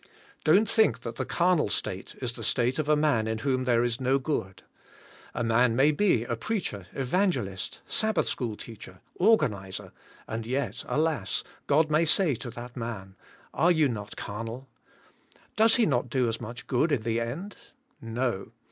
Don't think that the carnal state is the state of a man in whom there is no good. A man may be a preacher, evangelist, sabbath school teacher, organizer, and yet, alas, God may say to that man, "Are you not carnal?" Does he not do as much good in the end? No.